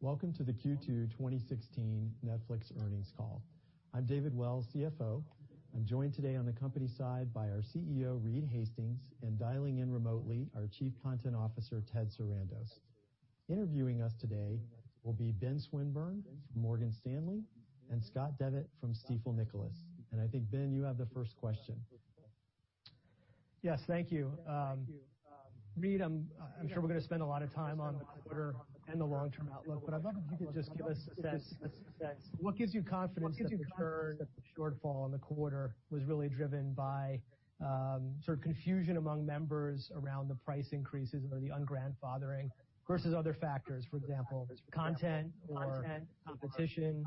Welcome to the Q2 2016 Netflix earnings call. I'm David Wells, CFO. I'm joined today on the company side by our CEO, Reed Hastings, and dialing in remotely, our Chief Content Officer, Ted Sarandos. Interviewing us today will be Ben Swinburne from Morgan Stanley and Scott Devitt from Stifel Nicolaus. I think, Ben, you have the first question. Yes, thank you. Reed, I'm sure we're going to spend a lot of time on the quarter and the long-term outlook, I'd love it if you could just give us a sense what gives you confidence that the churn shortfall in the quarter was really driven by sort of confusion among members around the price increases or the un-grandfathering versus other factors, for example, content or competition,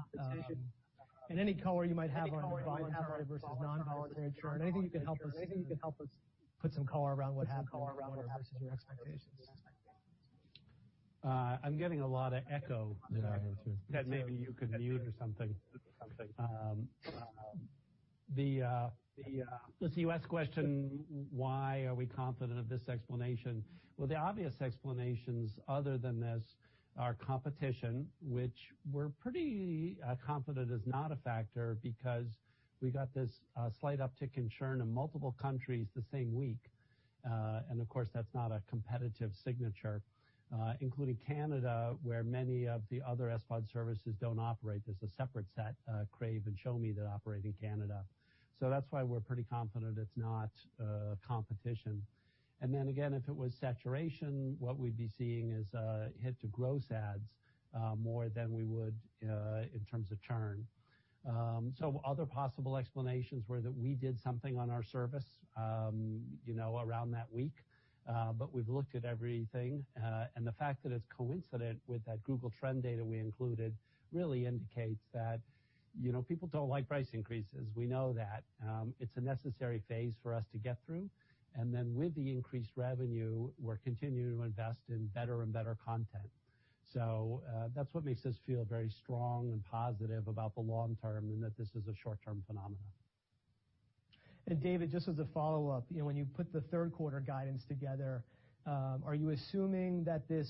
and any color you might have on voluntary versus non-voluntary churn. Anything you can help us put some color around what happened and what versus your expectations. I'm getting a lot of echo. Yeah, me too. That maybe you could mute or something. You asked the question, why are we confident of this explanation? The obvious explanations other than this are competition, which we're pretty confident is not a factor because we got this slight uptick in churn in multiple countries the same week. Of course, that's not a competitive signature, including Canada, where many of the other SVOD services don't operate. There's a separate set, Crave and Shomi, that operate in Canada. That's why we're pretty confident it's not competition. Again, if it was saturation, what we'd be seeing is a hit to gross adds more than we would in terms of churn. Other possible explanations were that we did something on our service around that week. We've looked at everything, and the fact that it's coincident with that Google Trends data we included really indicates that people don't like price increases. We know that. It's a necessary phase for us to get through, and then with the increased revenue, we're continuing to invest in better and better content. That's what makes us feel very strong and positive about the long term and that this is a short-term phenomenon. David, just as a follow-up, when you put the third quarter guidance together, are you assuming that this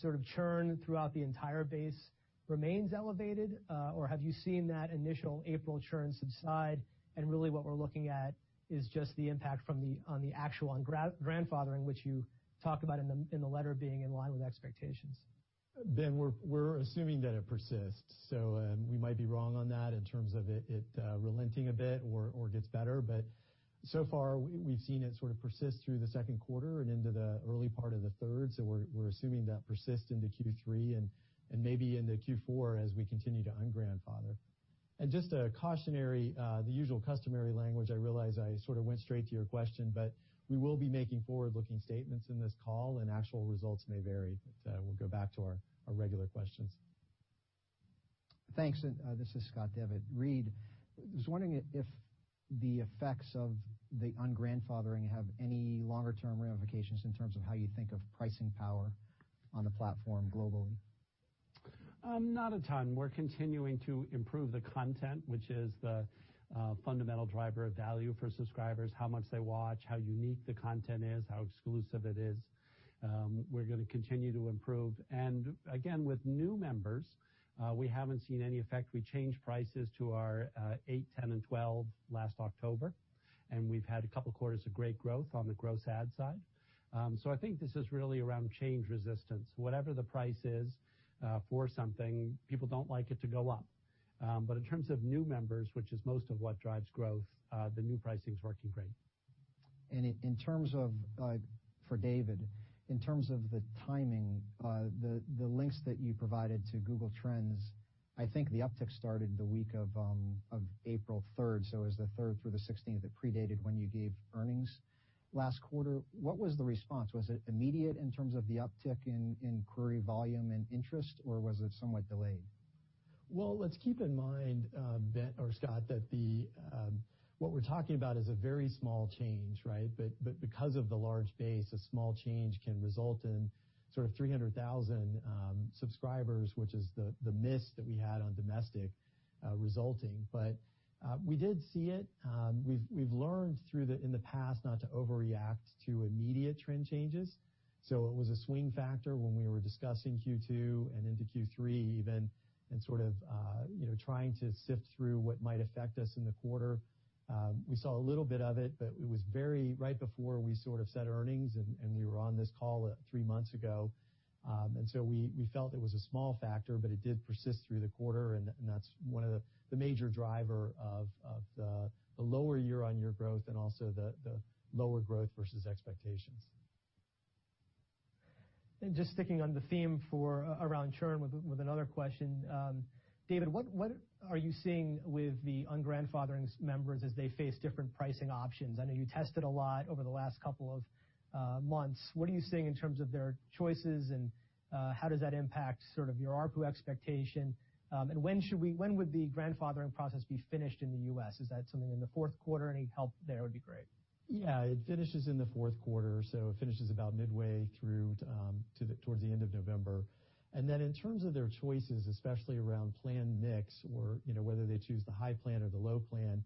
sort of churn throughout the entire base remains elevated? Or have you seen that initial April churn subside, and really what we're looking at is just the impact on the actual un-grandfathering, which you talk about in the letter being in line with expectations? Ben, we're assuming that it persists, we might be wrong on that in terms of it relenting a bit or gets better. So far, we've seen it sort of persist through the second quarter and into the early part of the third. We're assuming that persists into Q3 and maybe into Q4 as we continue to un-grandfather. Just a cautionary, the usual customary language, I realize I sort of went straight to your question, we will be making forward-looking statements in this call and actual results may vary. We'll go back to our regular questions. Thanks. This is Scott Devitt. Reed, I was wondering if the effects of the un-grandfathering have any longer-term ramifications in terms of how you think of pricing power on the platform globally. Not a ton. We're continuing to improve the content, which is the fundamental driver of value for subscribers, how much they watch, how unique the content is, how exclusive it is. We're going to continue to improve. Again, with new members, we haven't seen any effect. We changed prices to our $8, $10, and $12 last October, and we've had a couple quarters of great growth on the gross adds side. I think this is really around change resistance. Whatever the price is for something, people don't like it to go up. In terms of new members, which is most of what drives growth, the new pricing is working great. For David, in terms of the timing, the links that you provided to Google Trends, I think the uptick started the week of April 3rd. It was the 3rd through the 16th. It predated when you gave earnings last quarter. What was the response? Was it immediate in terms of the uptick in query volume and interest, or was it somewhat delayed? Well, let's keep in mind, Scott, that what we're talking about is a very small change, right? Because of the large base, a small change can result in sort of 300,000 subscribers, which is the miss that we had on domestic resulting. We did see it. We've learned in the past not to overreact to immediate trend changes. It was a swing factor when we were discussing Q2 and into Q3 even, and sort of trying to sift through what might affect us in the quarter. We saw a little bit of it, but it was very right before we sort of set earnings, and we were on this call three months ago. We felt it was a small factor, but it did persist through the quarter, and that's one of the major driver of the lower year-on-year growth and also the lower growth versus expectations. Just sticking on the theme around churn with another question. David, what are you seeing with the un-grandfathered members as they face different pricing options? I know you tested a lot over the last couple of months. What are you seeing in terms of their choices, and how does that impact sort of your ARPU expectation? When would the grandfathering process be finished in the U.S.? Is that something in the fourth quarter? Any help there would be great. Yeah, it finishes in the fourth quarter, so it finishes about midway through towards the end of November. In terms of their choices, especially around plan mix or whether they choose the high plan or the low plan,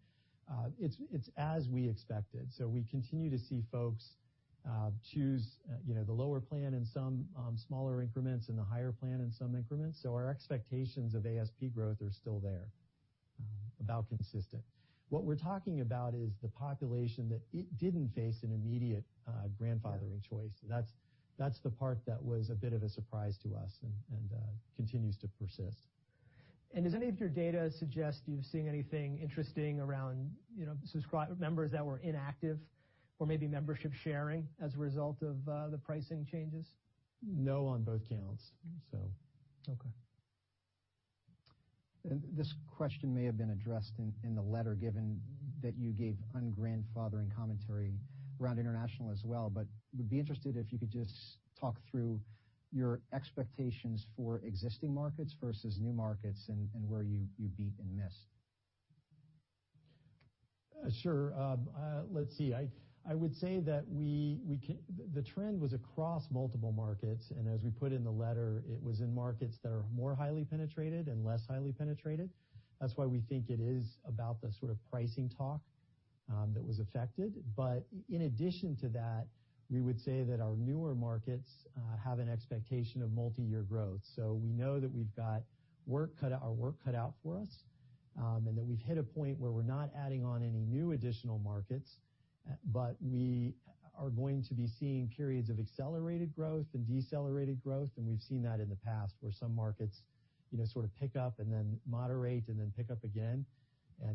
it's as we expected. We continue to see folks choose the lower plan in some smaller increments and the higher plan in some increments. Our expectations of ASP growth are still there. About consistent. What we're talking about is the population that didn't face an immediate grandfathering choice. That's the part that was a bit of a surprise to us and continues to persist. Does any of your data suggest you're seeing anything interesting around members that were inactive or maybe membership sharing as a result of the pricing changes? No, on both counts. Okay. This question may have been addressed in the letter, given that you gave ungrandfathering commentary around international as well. I would be interested if you could just talk through your expectations for existing markets versus new markets and where you beat and missed? Sure. Let's see. I would say that the trend was across multiple markets, and as we put in the letter, it was in markets that are more highly penetrated and less highly penetrated. That's why we think it is about the sort of pricing talk that was affected. In addition to that, we would say that our newer markets have an expectation of multiyear growth. We know that we've got our work cut out for us, and that we've hit a point where we're not adding on any new additional markets, but we are going to be seeing periods of accelerated growth and decelerated growth, and we've seen that in the past, where some markets sort of pick up and then moderate and then pick up again.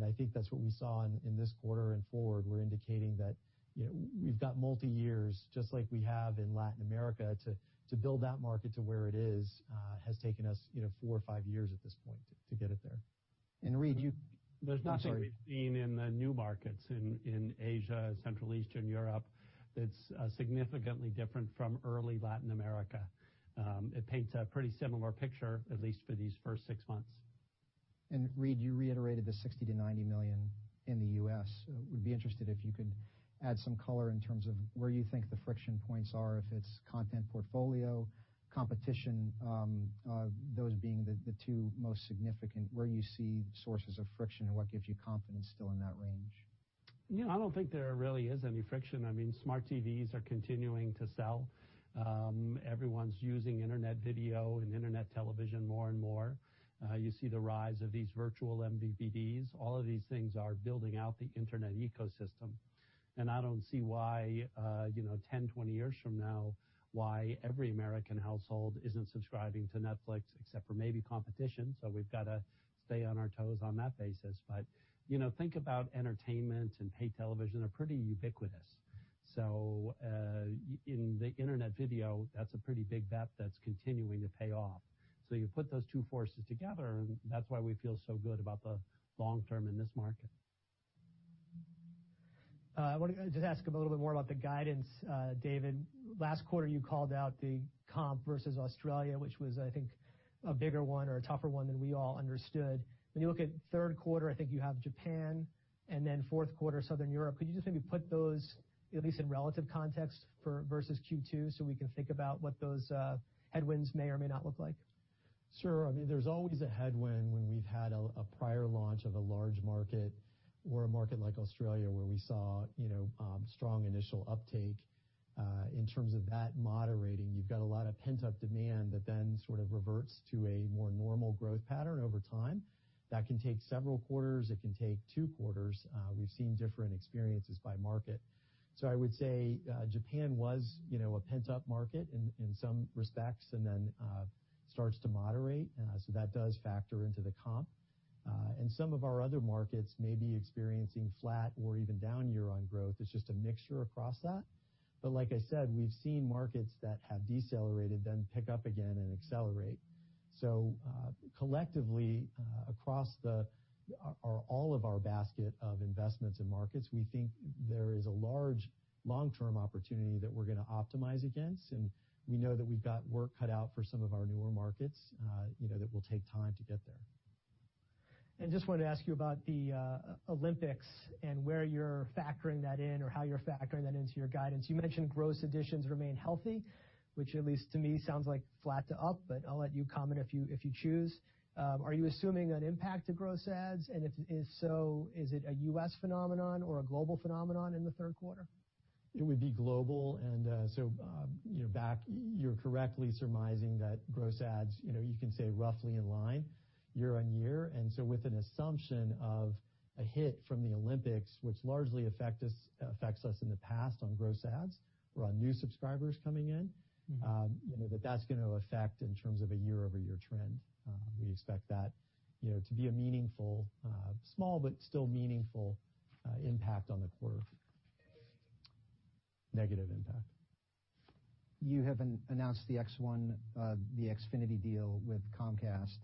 I think that's what we saw in this quarter and forward. We're indicating that we've got multiyears, just like we have in Latin America. To build that market to where it is has taken us four or five years at this point to get it there. Reed, There's nothing we've seen in the new markets in Asia, Central Eastern Europe that's significantly different from early Latin America. It paints a pretty similar picture, at least for these first six months. Reed, you reiterated the $60 million-$90 million in the U.S. Would be interested if you could add some color in terms of where you think the friction points are, if it's content portfolio, competition, those being the two most significant, where you see sources of friction and what gives you confidence still in that range. I don't think there really is any friction. I mean, smart TVs are continuing to sell. Everyone's using internet video and internet television more and more. You see the rise of these virtual MVPDs. All of these things are building out the internet ecosystem. I don't see why 10, 20 years from now, why every American household isn't subscribing to Netflix except for maybe competition, so we've got to stay on our toes on that basis. Think about entertainment and paid television are pretty ubiquitous. In the internet video, that's a pretty big bet that's continuing to pay off. You put those two forces together, and that's why we feel so good about the long term in this market. I wanted to just ask a little bit more about the guidance, David. Last quarter, you called out the comp versus Australia, which was, I think, a bigger one or a tougher one than we all understood. When you look at the third quarter, I think you have Japan, and then fourth quarter, Southern Europe. Could you just maybe put those at least in relative context versus Q2, so we can think about what those headwinds may or may not look like? Sure. There's always a headwind when we've had a prior launch of a large market or a market like Australia where we saw strong initial uptake. In terms of that moderating, you've got a lot of pent-up demand that then sort of reverts to a more normal growth pattern over time. That can take several quarters. It can take two quarters. We've seen different experiences by market. I would say Japan was a pent-up market in some respects and then starts to moderate. That does factor into the comp. Some of our other markets may be experiencing flat or even down year-on growth. It's just a mixture across that. Like I said, we've seen markets that have decelerated then pick up again and accelerate. Collectively, across all of our basket of investments in markets, we think there is a large long-term opportunity that we're going to optimize against, and we know that we've got work cut out for some of our newer markets that will take time to get there. Just wanted to ask you about the Olympics and where you're factoring that in or how you're factoring that into your guidance. You mentioned gross additions remain healthy, which at least to me sounds like flat to up, but I'll let you comment if you choose. Are you assuming an impact to gross adds, and if so, is it a U.S. phenomenon or a global phenomenon in the third quarter? It would be global. You're correctly surmising that gross adds, you can say roughly in line year-on-year. With an assumption of a hit from the Olympics, which largely affects us in the past on gross adds or on new subscribers coming in, that's going to affect in terms of a year-over-year trend. We expect that to be a meaningful, small but still meaningful impact on the quarter. Negative impact. You have announced the X1, the Xfinity deal with Comcast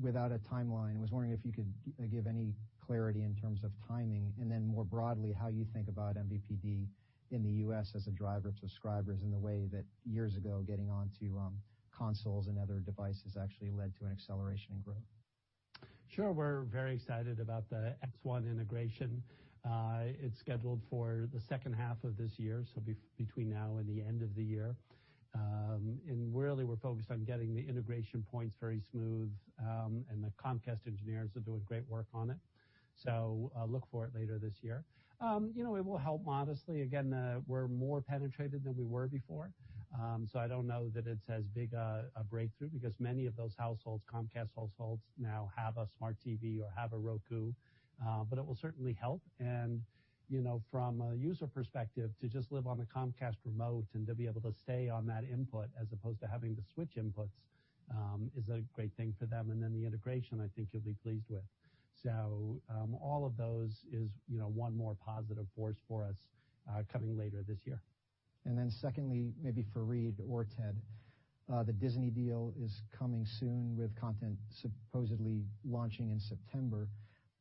without a timeline. I was wondering if you could give any clarity in terms of timing and then more broadly, how you think about MVPD in the U.S. as a driver of subscribers in the way that years ago, getting onto consoles and other devices actually led to an acceleration in growth. Sure. We're very excited about the X1 integration. It's scheduled for the second half of this year, so between now and the end of the year. Really, we're focused on getting the integration points very smooth, and the Comcast engineers are doing great work on it. Look for it later this year. It will help modestly. Again, we're more penetrated than we were before. I don't know that it's as big a breakthrough because many of those Comcast households now have a smart TV or have a Roku. It will certainly help. From a user perspective, to just live on the Comcast remote and to be able to stay on that input as opposed to having to switch inputs is a great thing for them. Then the integration, I think you'll be pleased with. All of those is one more positive force for us coming later this year. Secondly, maybe for Reed or Ted, the Disney deal is coming soon with content supposedly launching in September.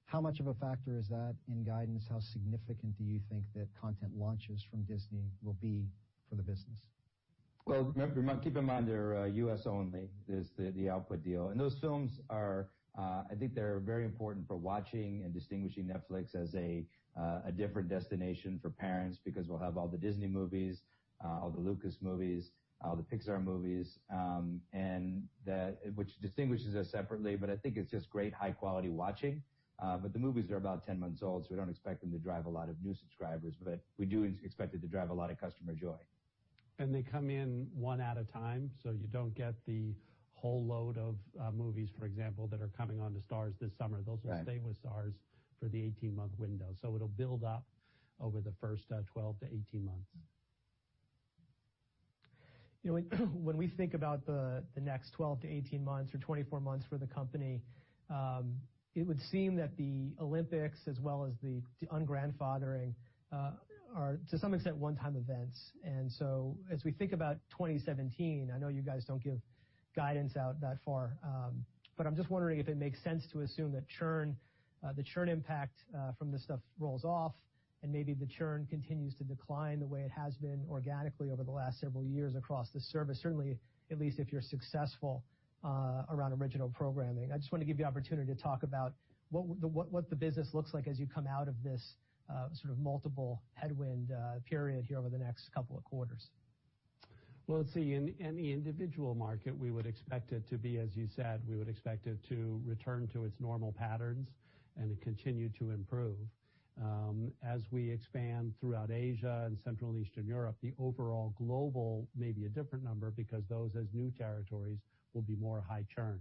How much of a factor is that in guidance? How significant do you think that content launches from Disney will be for the business? Well, keep in mind, they're U.S. only, is the output deal. Those films are, I think they're very important for watching and distinguishing Netflix as a different destination for parents because we'll have all the Disney movies, all the Lucasfilm movies, all the Pixar movies, which distinguishes us separately, I think it's just great high-quality watching. The movies are about 10 months old, we don't expect them to drive a lot of new subscribers. We do expect it to drive a lot of customer joy. They come in one at a time, you don't get the whole load of movies, for example, that are coming onto Starz this summer. Right. Those will stay with Starz for the 18-month window. It'll build up over the first 12 to 18 months. When we think about the next 12 to 18 months or 24 months for the company, it would seem that the Olympics as well as the un-grandfathering are to some extent one-time events. As we think about 2017, I know you guys don't give guidance out that far, but I'm just wondering if it makes sense to assume that the churn impact from this stuff rolls off and maybe the churn continues to decline the way it has been organically over the last several years across the service. Certainly, at least if you're successful around original programming. I just want to give you the opportunity to talk about what the business looks like as you come out of this sort of multiple headwind period here over the next couple of quarters. Well, let's see. In the individual market, we would expect it to be, as you said, we would expect it to return to its normal patterns and continue to improve. As we expand throughout Asia and Central Eastern Europe, the overall global may be a different number because those as new territories will be more high churn.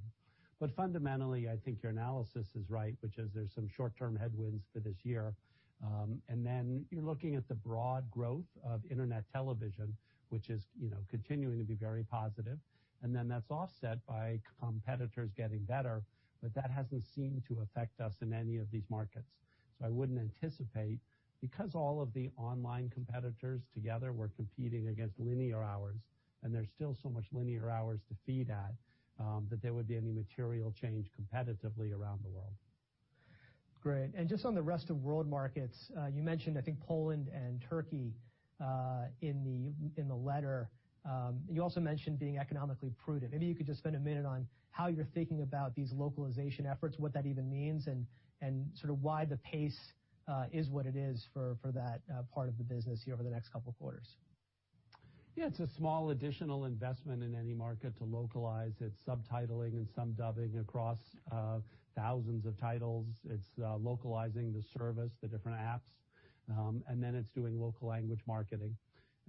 Fundamentally, I think your analysis is right, which is there's some short-term headwinds for this year. You're looking at the broad growth of internet television, which is continuing to be very positive. That's offset by competitors getting better, but that hasn't seemed to affect us in any of these markets. I wouldn't anticipate, because all of the online competitors together were competing against linear hours, and there's still so much linear hours to feed at, that there would be any material change competitively around the world. Great. Just on the rest of world markets, you mentioned, I think, Poland and Turkey in the letter. You also mentioned being economically prudent. Maybe you could just spend a minute on how you're thinking about these localization efforts, what that even means, and sort of why the pace is what it is for that part of the business here over the next couple of quarters. Yeah, it's a small additional investment in any market to localize. It's subtitling and some dubbing across thousands of titles. It's localizing the service, the different apps, and then it's doing local language marketing.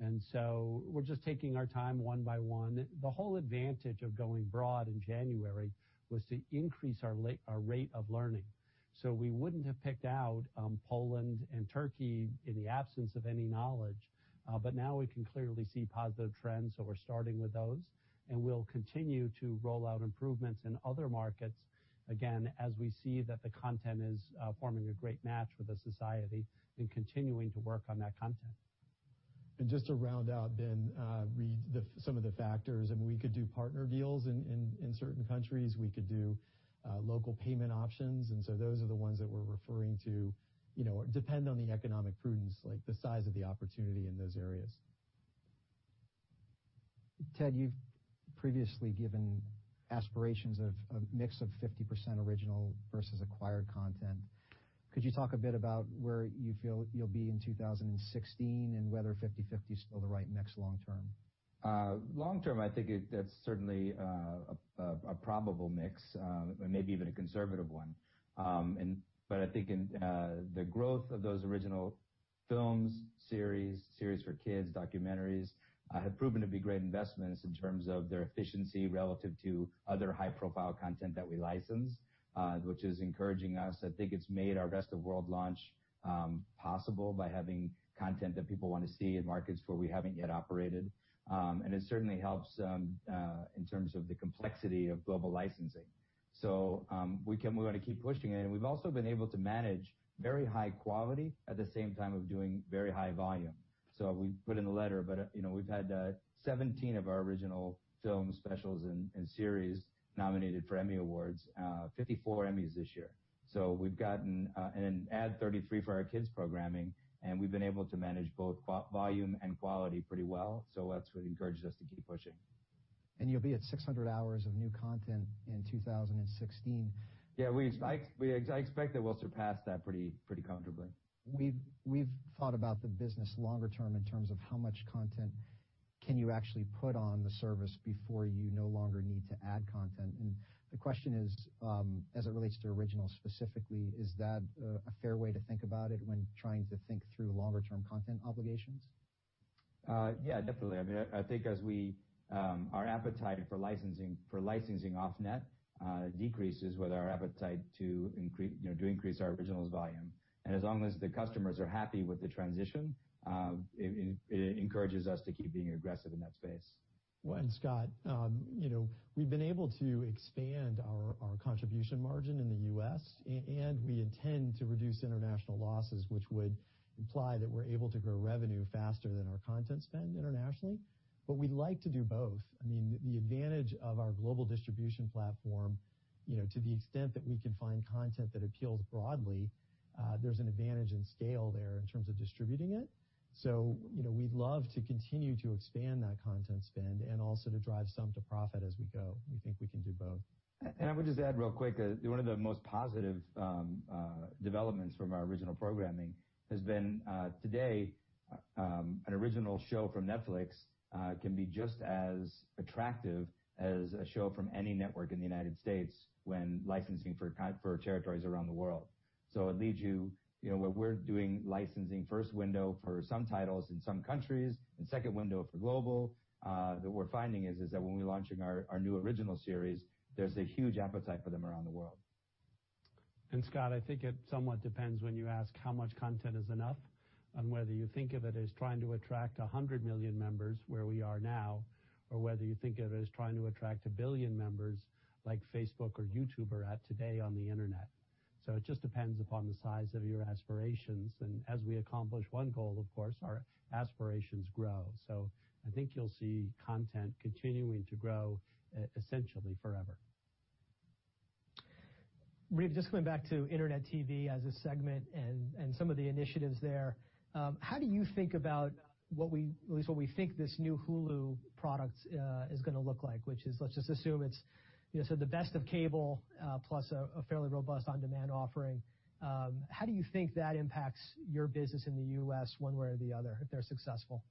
We're just taking our time one by one. The whole advantage of going broad in January was to increase our rate of learning. We wouldn't have picked out Poland and Turkey in the absence of any knowledge. Now we can clearly see positive trends, so we're starting with those, and we'll continue to roll out improvements in other markets, again, as we see that the content is forming a great match with the society and continuing to work on that content. Just to round out then, Reed, some of the factors, we could do partner deals in certain countries. We could do local payment options. Those are the ones that we're referring to depend on the economic prudence, like the size of the opportunity in those areas. Ted, you've previously given aspirations of a mix of 50% original versus acquired content. Could you talk a bit about where you feel you'll be in 2016 and whether 50/50 is still the right mix long term? Long term, I think that's certainly a probable mix, maybe even a conservative one. I think the growth of those original films, series for kids, documentaries, have proven to be great investments in terms of their efficiency relative to other high-profile content that we license, which is encouraging us. I think it's made our rest of world launch possible by having content that people want to see in markets where we haven't yet operated. It certainly helps in terms of the complexity of global licensing. We want to keep pushing it. We've also been able to manage very high quality at the same time of doing very high volume. We put in the letter, but we've had 17 of our original film specials and series nominated for Emmy Awards, 54 Emmys this year. Add 33 for our kids' programming, we've been able to manage both volume and quality pretty well, that's what encourages us to keep pushing. You'll be at 600 hours of new content in 2016. Yeah, I expect that we'll surpass that pretty comfortably. We've thought about the business longer term in terms of how much content can you actually put on the service before you no longer need to add content? The question is, as it relates to originals specifically, is that a fair way to think about it when trying to think through longer term content obligations? Yeah, definitely. I think as our appetite for licensing off-net decreases with our appetite to increase our originals volume. As long as the customers are happy with the transition, it encourages us to keep being aggressive in that space. Scott, we've been able to expand our contribution margin in the U.S., and we intend to reduce international losses, which would imply that we're able to grow revenue faster than our content spend internationally, but we'd like to do both. The advantage of our global distribution platform, to the extent that we can find content that appeals broadly, there's an advantage in scale there in terms of distributing it. We'd love to continue to expand that content spend and also to drive some to profit as we go. We think we can do both. I would just add real quick, one of the most positive developments from our original programming has been, today, an original show from Netflix can be just as attractive as a show from any network in the U.S. when licensing for territories around the world. It leads you, where we're doing licensing first window for some titles in some countries, and second window for global, what we're finding is that when we're launching our new original series, there's a huge appetite for them around the world. Scott, I think it somewhat depends when you ask how much content is enough on whether you think of it as trying to attract 100 million members where we are now, or whether you think of it as trying to attract 1 billion members like Facebook or YouTube are at today on the internet. It just depends upon the size of your aspirations, and as we accomplish one goal, of course, our aspirations grow. I think you'll see content continuing to grow essentially forever. Reed, just coming back to internet TV as a segment and some of the initiatives there, how do you think about at least what we think this new Hulu product is going to look like, which is, let's just assume it's the best of cable, plus a fairly robust on-demand offering. How do you think that impacts your business in the U.S. one way or the other if they're successful?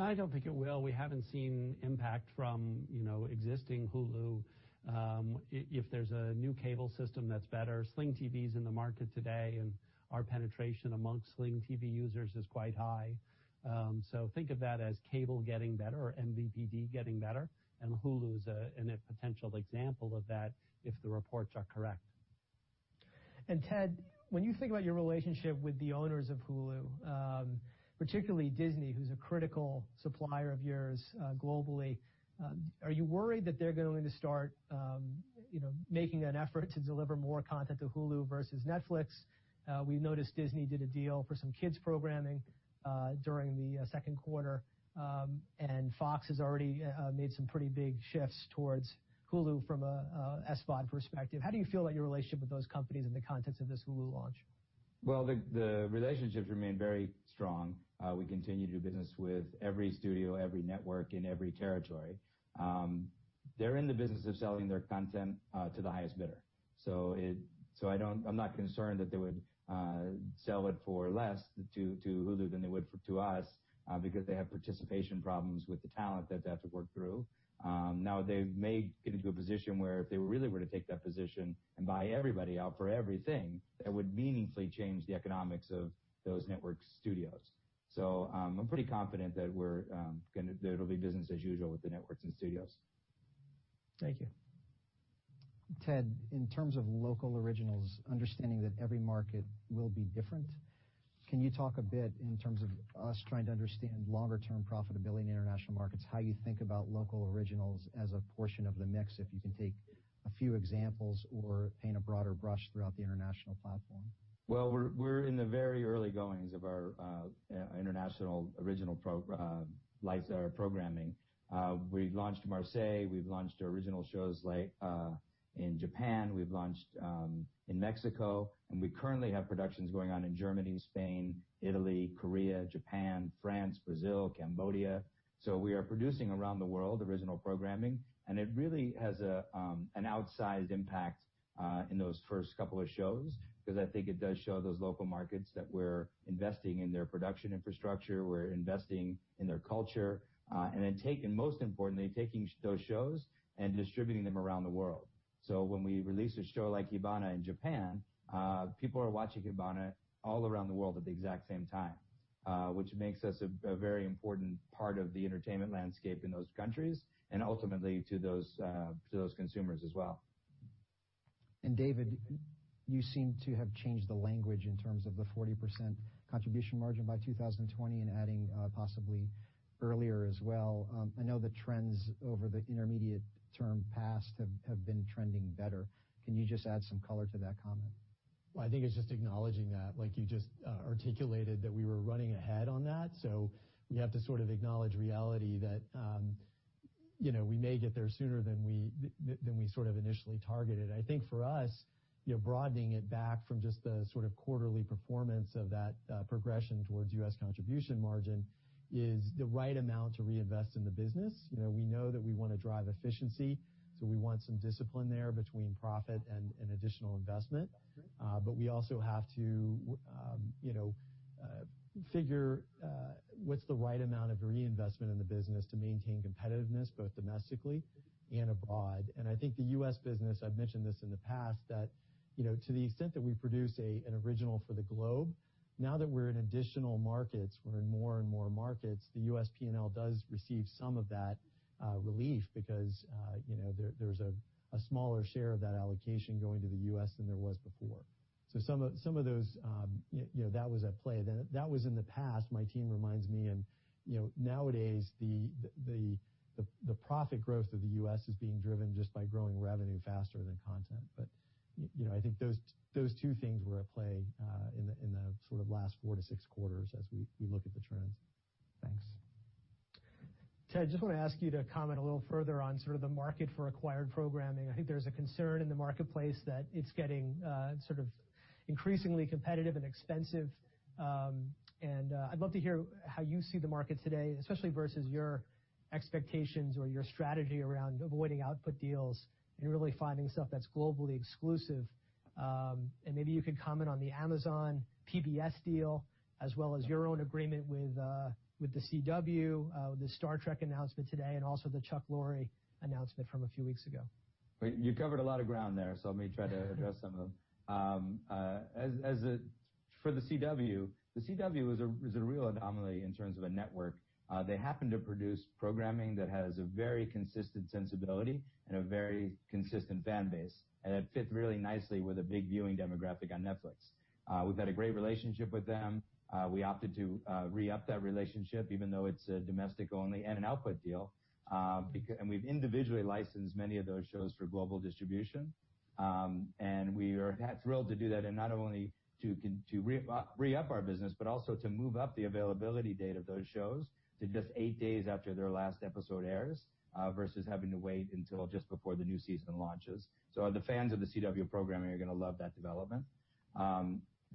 I don't think it will. We haven't seen impact from existing Hulu. If there's a new cable system that's better, Sling TV's in the market today, and our penetration amongst Sling TV users is quite high. Think of that as cable getting better or MVPD getting better, and Hulu is a potential example of that if the reports are correct. Ted, when you think about your relationship with the owners of Hulu, particularly Disney, who's a critical supplier of yours globally, are you worried that they're going to start making an effort to deliver more content to Hulu versus Netflix? We noticed Disney did a deal for some kids programming during the second quarter, and Fox has already made some pretty big shifts towards Hulu from a SVOD perspective. How do you feel about your relationship with those companies in the context of this Hulu launch? Well, the relationships remain very strong. We continue to do business with every studio, every network in every territory. They're in the business of selling their content to the highest bidder. I'm not concerned that they would sell it for less to Hulu than they would to us, because they have participation problems with the talent that they have to work through. Now, they may get into a position where if they really were to take that position and buy everybody out for everything, that would meaningfully change the economics of those network studios. I'm pretty confident that it'll be business as usual with the networks and studios. Thank you. Ted, in terms of local originals, understanding that every market will be different, can you talk a bit in terms of us trying to understand longer-term profitability in international markets, how you think about local originals as a portion of the mix, if you can take a few examples or paint a broader brush throughout the international platform? We're in the very early goings of our international original programming. We've launched Marseille, we've launched original shows in Japan, we've launched in Mexico, and we currently have productions going on in Germany, Spain, Italy, Korea, Japan, France, Brazil, Cambodia. We are producing around the world original programming, and it really has an outsized impact in those first couple of shows, because I think it does show those local markets that we're investing in their production infrastructure, we're investing in their culture, and most importantly, taking those shows and distributing them around the world. When we release a show like Hibana in Japan, people are watching Hibana all around the world at the exact same time, which makes us a very important part of the entertainment landscape in those countries, and ultimately to those consumers as well. David, you seem to have changed the language in terms of the 40% contribution margin by 2020 and adding possibly earlier as well. I know the trends over the intermediate term past have been trending better. Can you just add some color to that comment? I think it's just acknowledging that, like you just articulated that we were running ahead on that. We have to sort of acknowledge reality that we may get there sooner than we sort of initially targeted. I think for us, broadening it back from just the sort of quarterly performance of that progression towards U.S. contribution margin is the right amount to reinvest in the business. We know that we want to drive efficiency, so we want some discipline there between profit and additional investment. We also have to figure what's the right amount of reinvestment in the business to maintain competitiveness, both domestically and abroad. I think the U.S. business, I've mentioned this in the past, that to the extent that we produce an original for the globe, now that we're in additional markets, we're in more and more markets, the U.S. P&L does receive some of that relief because there's a smaller share of that allocation going to the U.S. than there was before. Some of those, that was at play then. That was in the past, my team reminds me, and nowadays the profit growth of the U.S. is being driven just by growing revenue faster than content. I think those two things were at play in the last four to six quarters as we look at the trends. Thanks. Ted, I just want to ask you to comment a little further on the market for acquired programming. I think there's a concern in the marketplace that it's getting increasingly competitive and expensive. I'd love to hear how you see the market today, especially versus your expectations or your strategy around avoiding output deals and really finding stuff that's globally exclusive. Maybe you could comment on the Amazon PBS deal, as well as your own agreement with The CW, the Star Trek announcement today, and also the Chuck Lorre announcement from a few weeks ago. Well, you covered a lot of ground there, let me try to address some of them. For The CW, The CW is a real anomaly in terms of a network. They happen to produce programming that has a very consistent sensibility and a very consistent fan base, and it fits really nicely with a big viewing demographic on Netflix. We've had a great relationship with them. We opted to re-up that relationship, even though it's a domestic only and an output deal. We've individually licensed many of those shows for global distribution. We are thrilled to do that, and not only to re-up our business, but also to move up the availability date of those shows to just eight days after their last episode airs, versus having to wait until just before the new season launches. The fans of the CW programming are going to love that development.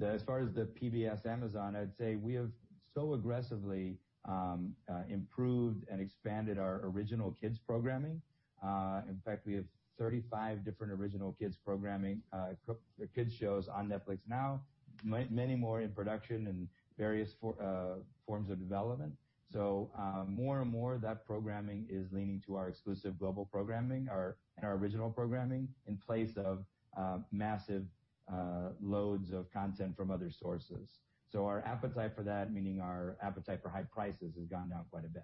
As far as the PBS Amazon, I'd say we have so aggressively improved and expanded our original kids programming. In fact, we have 35 different original kids programming, kids shows on Netflix now, many more in production in various forms of development. More and more of that programming is leaning to our exclusive global programming and our original programming in place of massive loads of content from other sources. Our appetite for that, meaning our appetite for high prices, has gone down quite a bit.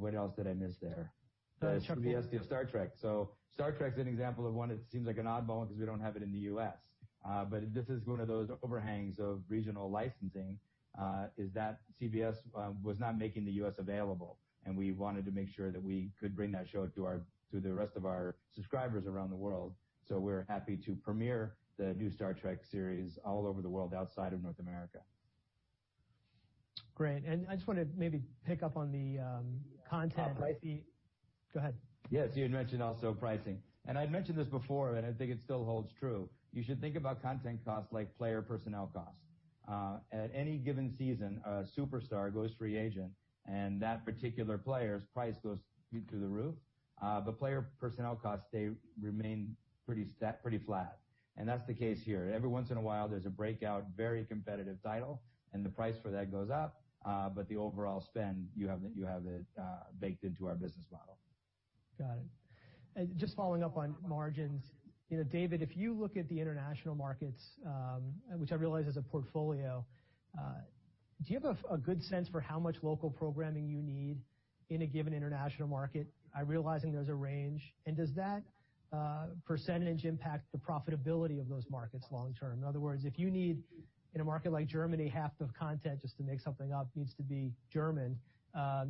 What else did I miss there? The Chuck Lorre- The CBS deal, Star Trek. Star Trek's an example of one. It seems like an oddball because we don't have it in the U.S. This is one of those overhangs of regional licensing, is that CBS was not making the U.S. available, and we wanted to make sure that we could bring that show to the rest of our subscribers around the world. We're happy to premiere the new "Star Trek" series all over the world outside of North America. Great. I just want to maybe pick up on the content pricing- Oh. Go ahead. Yes, you had mentioned also pricing. I'd mentioned this before, and I think it still holds true. You should think about content costs like player personnel costs. At any given season, a superstar goes free agent, that particular player's price goes through the roof. Player personnel costs, they remain pretty flat. That's the case here. Every once in a while, there's a breakout, very competitive title, and the price for that goes up. The overall spend, you have it baked into our business model. Got it. Just following up on margins. David, if you look at the international markets, which I realize is a portfolio, do you have a good sense for how much local programming you need in a given international market? I'm realizing there's a range. Does that percentage impact the profitability of those markets long term? In other words, if you need, in a market like Germany, half the content, just to make something up, needs to be German,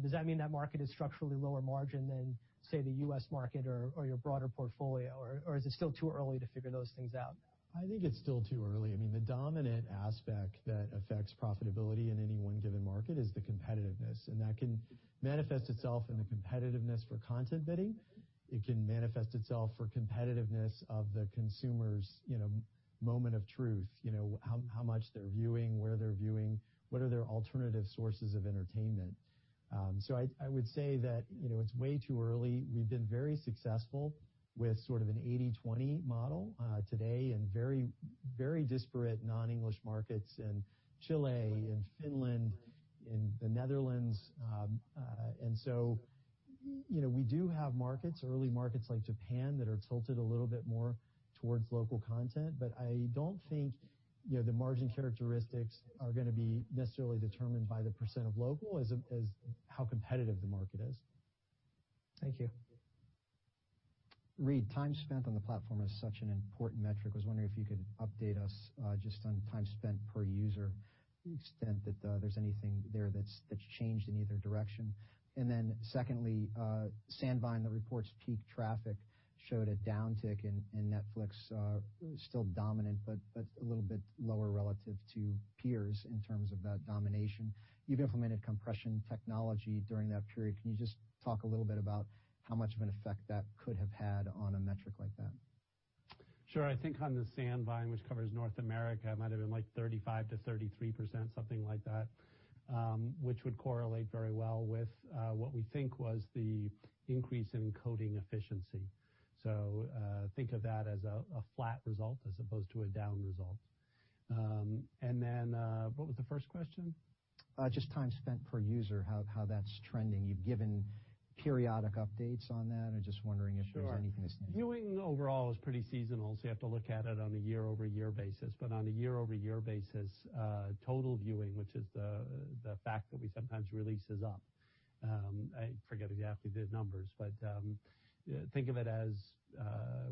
does that mean that market is structurally lower margin than, say, the U.S. market or your broader portfolio? Is it still too early to figure those things out? I think it's still too early. The dominant aspect that affects profitability in any one given market is the competitiveness, that can manifest itself in the competitiveness for content bidding. It can manifest itself for competitiveness of the consumer's moment of truth. How much they're viewing, where they're viewing, what are their alternative sources of entertainment? I would say that it's way too early. We've been very successful with sort of an 80/20 model today in very disparate non-English markets in Chile, in Finland, in the Netherlands. We do have markets, early markets like Japan, that are tilted a little bit more towards local content. I don't think the margin characteristics are going to be necessarily determined by the percent of local as how competitive the market is. Thank you. Reed, time spent on the platform is such an important metric. I was wondering if you could update us just on time spent per user, to the extent that there's anything there that's changed in either direction. Secondly, Sandvine, the report's peak traffic showed a downtick in Netflix. Still dominant, but a little bit lower relative to peers in terms of that domination. You've implemented compression technology during that period. Can you just talk a little bit about how much of an effect that could have had on a metric like that? Sure. I think on the Sandvine, which covers North America, it might've been like 35%-33%, something like that, which would correlate very well with what we think was the increase in coding efficiency. Think of that as a flat result as opposed to a down result. Then, what was the first question? Just time spent per user, how that's trending. You've given periodic updates on that. I'm just wondering if there's anything- Sure. Viewing overall is pretty seasonal, you have to look at it on a year-over-year basis. On a year-over-year basis, total viewing, which is the fact that we sometimes release, is up. I forget exactly the numbers, but think of it as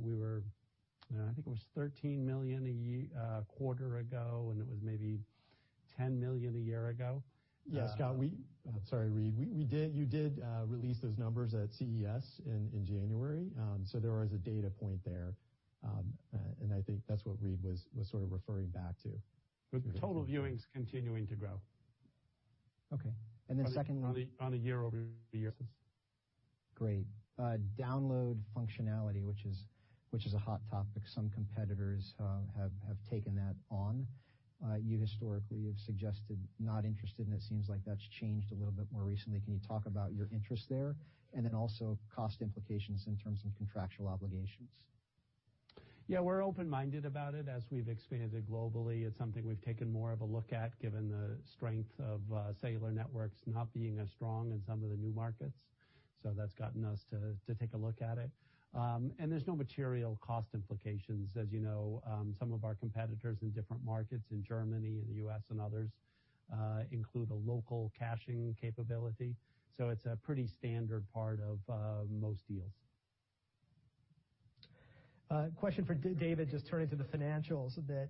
we were, I think it was 13 million a quarter ago, and it was maybe 10 million a year ago. Yeah, Scott, we Sorry, Reed. You did release those numbers at CES in January. There was a data point there. I think that's what Reed was sort of referring back to. Total viewing's continuing to grow. Okay. The second one. On a year-over-year basis. Great. Download functionality, which is a hot topic. Some competitors have taken that on. You historically have suggested not interested, and it seems like that's changed a little bit more recently. Can you talk about your interest there, and then also cost implications in terms of contractual obligations? Yeah, we're open-minded about it. As we've expanded globally, it's something we've taken more of a look at, given the strength of cellular networks not being as strong in some of the new markets. That's gotten us to take a look at it. There's no material cost implications. As you know, some of our competitors in different markets in Germany, and the U.S., and others include a local caching capability. It's a pretty standard part of most deals. A question for David. Just turning to the financials a bit.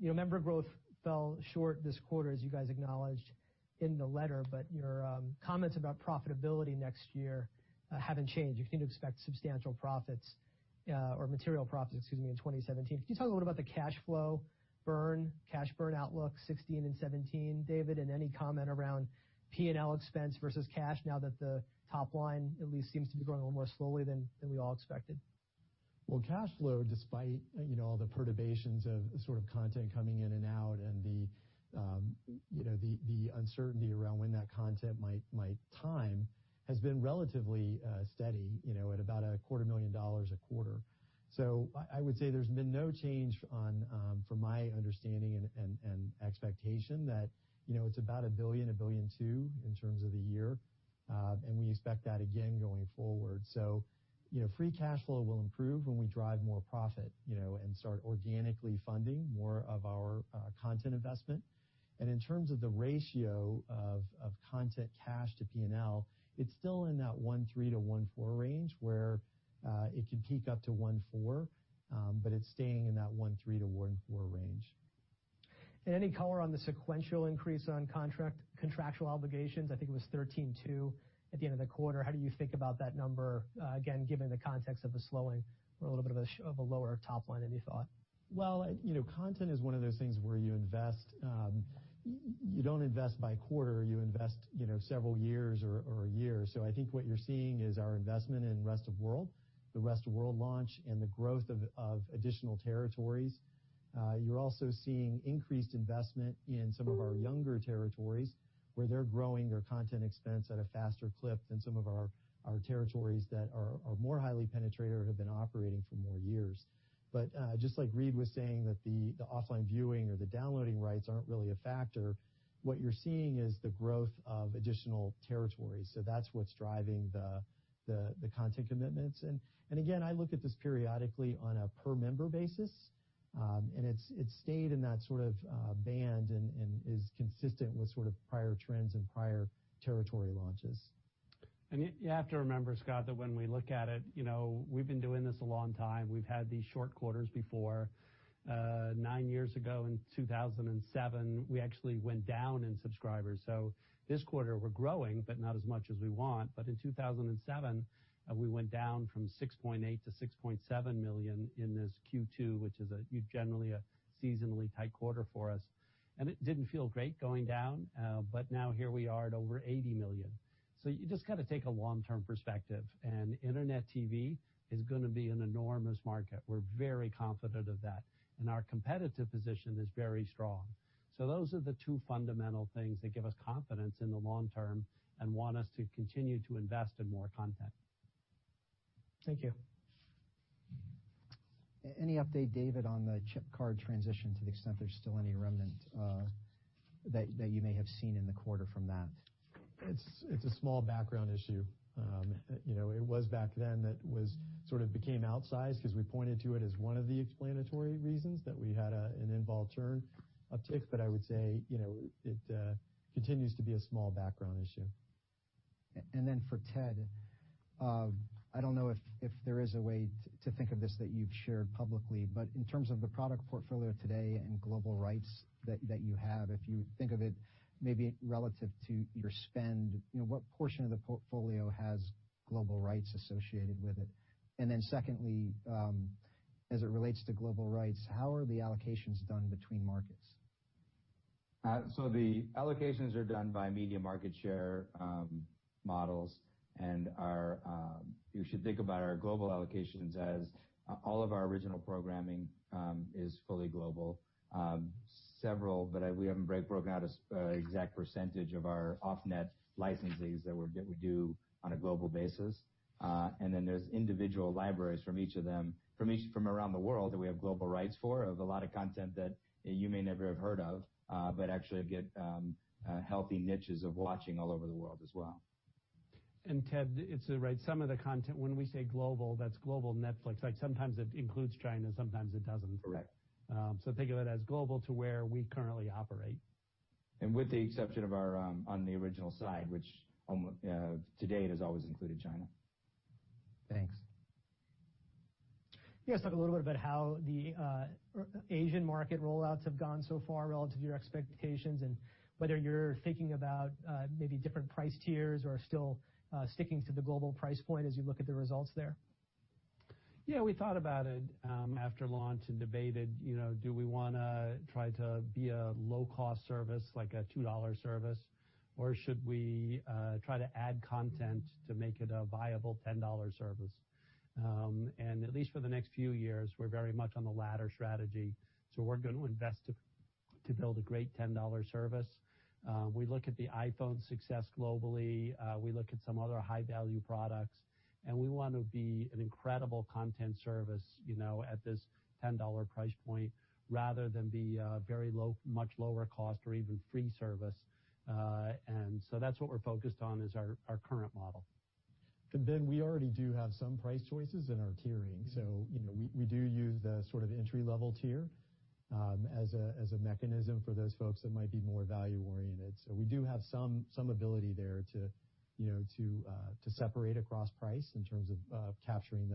Member growth fell short this quarter, as you guys acknowledged in the letter, but your comments about profitability next year haven't changed. You can expect substantial profits or material profits, excuse me, in 2017. Can you talk a little about the cash flow burn, cash burn outlook 2016 and 2017, David, and any comment around P&L expense versus cash now that the top line at least seems to be growing a little more slowly than we all expected? Cash flow, despite all the perturbations of sort of content coming in and out and the uncertainty around when that content might time, has been relatively steady at about a quarter-billion dollars a quarter. I would say there's been no change from my understanding and expectation that it's about $1 billion, $1.2 billion, in terms of the year. We expect that again going forward. Free cash flow will improve when we drive more profit and start organically funding more of our content investment. In terms of the ratio of content cash to P&L, it's still in that 1.3-1.4 range, where it could peak up to 1.4, but it's staying in that 1.3-1.4 range. Any color on the sequential increase on contractual obligations? I think it was 13.2 at the end of the quarter. How do you think about that number, again, given the context of the slowing or a little bit of a lower top line than you thought? Well, content is one of those things where you invest. You don't invest by quarter. You invest several years or a year. I think what you're seeing is our investment in rest of world, the rest of world launch, and the growth of additional territories. You're also seeing increased investment in some of our younger territories, where they're growing their content expense at a faster clip than some of our territories that are more highly penetrator, have been operating for more years. Just like Reed was saying, that the offline viewing or the downloading rights aren't really a factor. What you're seeing is the growth of additional territories. That's what's driving the content commitments. Again, I look at this periodically on a per-member basis, and it's stayed in that sort of band and is consistent with sort of prior trends and prior territory launches. You have to remember, Scott, that when we look at it, we've been doing this a long time. We've had these short quarters before. Nine years ago in 2007, we actually went down in subscribers. This quarter we're growing, but not as much as we want. In 2007, we went down from $6.8 million-$6.7 million in this Q2, which is generally a seasonally tight quarter for us. It didn't feel great going down. Now here we are at over $80 million. You just got to take a long-term perspective, and internet TV is going to be an enormous market. We're very confident of that. Our competitive position is very strong. Those are the two fundamental things that give us confidence in the long term and want us to continue to invest in more content. Thank you. Any update, David, on the chip card transition to the extent there's still any remnant that you may have seen in the quarter from that? It's a small background issue. It was back then that sort of became outsized because we pointed to it as one of the explanatory reasons that we had an involuntary churn uptick. I would say it continues to be a small background issue. For Ted, I don't know if there is a way to think of this that you've shared publicly, but in terms of the product portfolio today and global rights that you have, if you think of it maybe relative to your spend, what portion of the portfolio has global rights associated with it? Secondly, as it relates to global rights, how are the allocations done between markets? The allocations are done by media market share models and you should think about our global allocations as all of our original programming is fully global. Several, but we haven't broken out an exact percentage of our off-net licenses that we do on a global basis. There's individual libraries from each of them, from around the world that we have global rights for, of a lot of content that you may never have heard of, but actually get healthy niches of watching all over the world as well. Ted, some of the content, when we say global, that's global Netflix. Sometimes it includes China, sometimes it doesn't. Correct. Think of it as global to where we currently operate. With the exception of on the original side, which to date has always included China. Thanks. Can you guys talk a little bit about how the Asian market rollouts have gone so far relative to your expectations, and whether you're thinking about maybe different price tiers or still sticking to the global price point as you look at the results there? Yeah, we thought about it after launch and debated, do we want to try to be a low-cost service, like a $2 service, or should we try to add content to make it a viable $10 service? At least for the next few years, we're very much on the latter strategy. We're going to invest to build a great $10 service. We look at the iPhone success globally. We look at some other high-value products, and we want to be an incredible content service at this $10 price point, rather than be a much lower cost or even free service. That's what we're focused on as our current model. Ben, we already do have some price choices in our tiering. We do use the entry-level tier as a mechanism for those folks that might be more value-oriented. We do have some ability there to separate across price in terms of capturing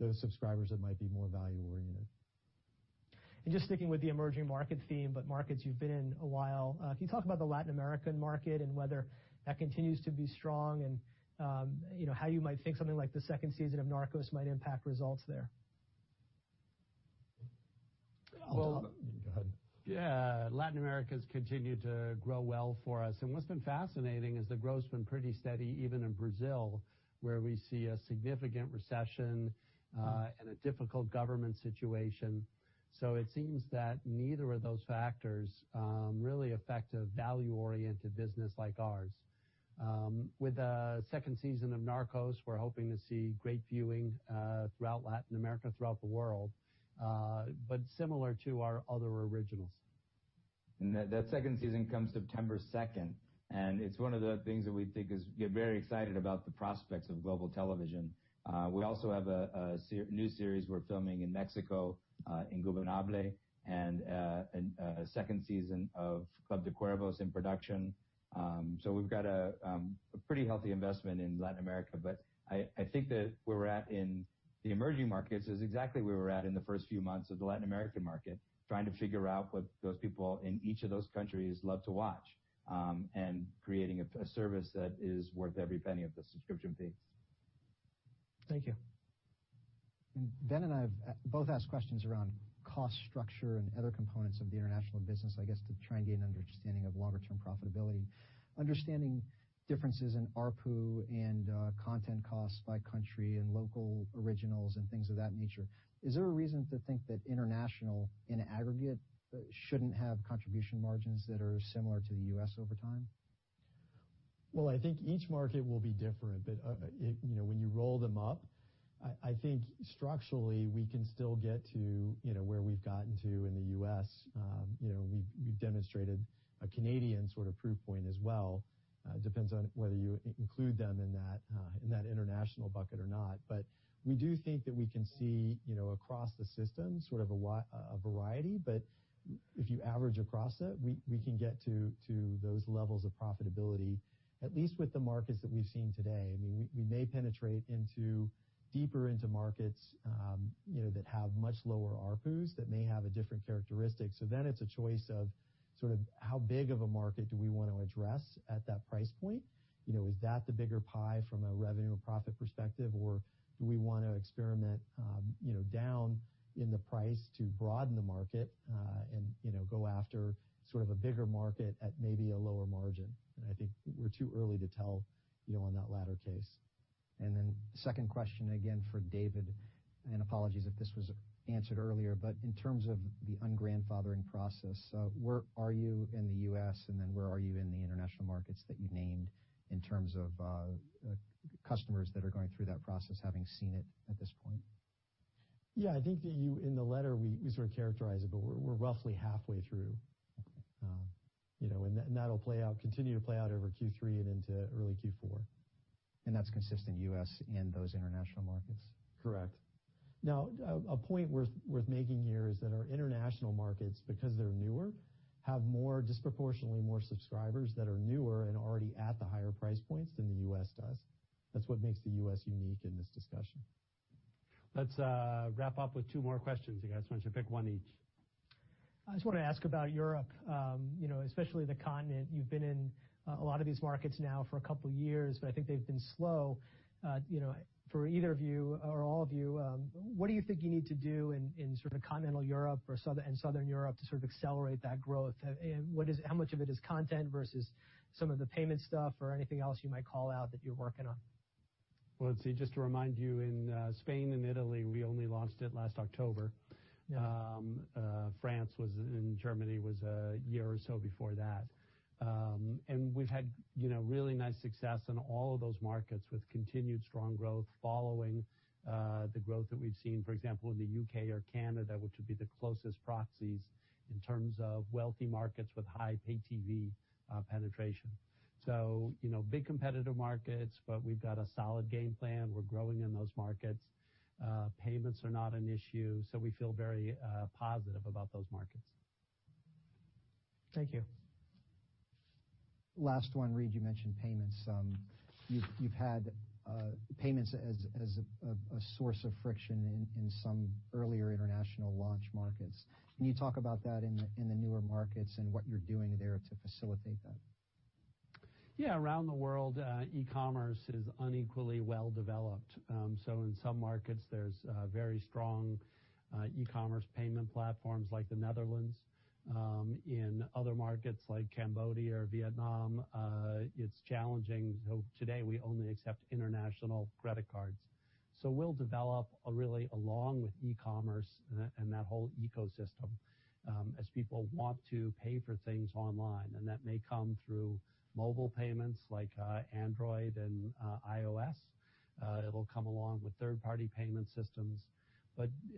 those subscribers that might be more value-oriented. Just sticking with the emerging market theme, markets you've been in a while, can you talk about the Latin American market and whether that continues to be strong and how you might think something like the second season of "Narcos" might impact results there? Well- Go ahead. Latin America's continued to grow well for us. What's been fascinating is the growth's been pretty steady even in Brazil, where we see a significant recession and a difficult government situation. It seems that neither of those factors really affect a value-oriented business like ours. With the second season of "Narcos," we're hoping to see great viewing throughout Latin America, throughout the world, similar to our other originals. That second season comes September 2nd, it's one of the things that we get very excited about the prospects of global television. We also have a new series we're filming in Mexico, "Ingobernable," and a second season of "Club de Cuervos" in production. We've got a pretty healthy investment in Latin America, but I think that where we're at in the emerging markets is exactly where we're at in the first few months of the Latin American market, trying to figure out what those people in each of those countries love to watch, and creating a service that is worth every penny of the subscription fees. Thank you. Ben and I have both asked questions around cost structure and other components of the international business, I guess, to try and get an understanding of longer-term profitability. Understanding differences in ARPU and content costs by country and local originals and things of that nature, is there a reason to think that international in aggregate shouldn't have contribution margins that are similar to the U.S. over time? I think each market will be different, but when you roll them up, I think structurally we can still get to where we've gotten to in the U.S. We've demonstrated a Canadian proof point as well. Depends on whether you include them in that international bucket or not. We do think that we can see across the system a variety, but if you average across it, we can get to those levels of profitability, at least with the markets that we've seen today. We may penetrate deeper into markets that have much lower ARPUs, that may have a different characteristic. It's a choice of how big of a market do we want to address at that price point? Is that the bigger pie from a revenue and profit perspective, or do we want to experiment down in the price to broaden the market, and go after a bigger market at maybe a lower margin? I think we're too early to tell on that latter case. Second question again for David, apologies if this was answered earlier, but in terms of the un-grandfathering process, where are you in the U.S. where are you in the international markets that you named in terms of customers that are going through that process, having seen it at this point? Yeah, I think in the letter we characterized it, we're roughly halfway through. Okay. That'll continue to play out over Q3 and into early Q4. That's consistent U.S. and those international markets? Correct. A point worth making here is that our international markets, because they're newer, have disproportionately more subscribers that are newer and already at the higher price points than the U.S. does. That's what makes the U.S. unique in this discussion. Let's wrap up with two more questions, you guys. Why don't you pick one each? I just want to ask about Europe, especially the continent. You've been in a lot of these markets now for a couple of years, but I think they've been slow. For either of you or all of you, what do you think you need to do in continental Europe and Southern Europe to accelerate that growth? How much of it is content versus some of the payment stuff or anything else you might call out that you're working on? Well, let's see. Just to remind you, in Spain and Italy, we only launched it last October. Yeah. France and Germany was a year or so before that. We've had really nice success in all of those markets with continued strong growth following the growth that we've seen, for example, in the U.K. or Canada, which would be the closest proxies in terms of wealthy markets with high pay TV penetration. Big competitive markets, we've got a solid game plan. We're growing in those markets. Payments are not an issue, we feel very positive about those markets. Thank you. Last one, Reed, you mentioned payments. You've had payments as a source of friction in some earlier international launch markets. Can you talk about that in the newer markets and what you're doing there to facilitate that? Yeah. Around the world, e-commerce is unequally well-developed. In some markets, there's very strong e-commerce payment platforms like the Netherlands. In other markets like Cambodia or Vietnam, it's challenging. Today, we only accept international credit cards. We'll develop really along with e-commerce and that whole ecosystem as people want to pay for things online, and that may come through mobile payments like Android and iOS. It'll come along with third-party payment systems.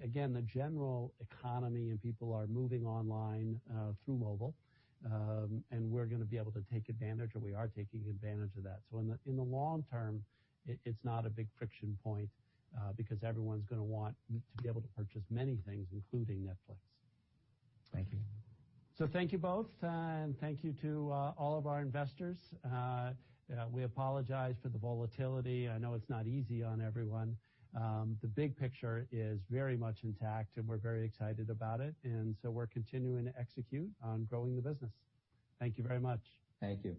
Again, the general economy and people are moving online through mobile. We're going to be able to take advantage, or we are taking advantage of that. In the long term, it's not a big friction point because everyone's going to want to be able to purchase many things, including Netflix. Thank you. Thank you both, and thank you to all of our investors. We apologize for the volatility. I know it's not easy on everyone. The big picture is very much intact, and we're very excited about it. We're continuing to execute on growing the business. Thank you very much. Thank you.